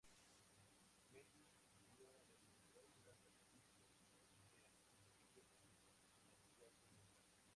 Melville vio numerosas aplicaciones para su idea, incluido su uso como lenguaje universal.